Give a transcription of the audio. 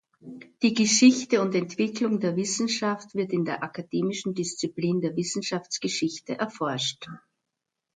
Die Geschichte und Entwicklung der Wissenschaft wird in der akademischen Disziplin der Wissenschaftsgeschichte erforscht.